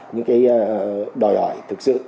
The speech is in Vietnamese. những cái đòi hỏi thực sự